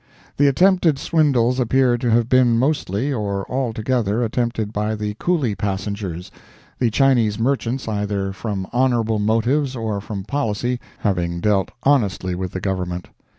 The attempted swindles appear to have been mostly, or altogether, attempted by the Coolie passengers—the Chinese merchants, either from honorable motives or from policy, having dealt honestly with the Government.